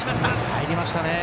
入りましたね。